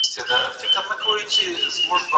هغه وويل چي اوبه مهمي دي.